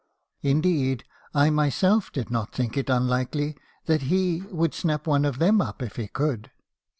Indeed I myself did not think it unlikely that he would snap one of them up if he could.